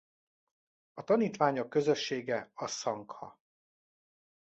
A tanítványok közössége a szangha.